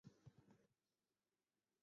汉高祖刘邦曾在秦时担任泗水亭亭长。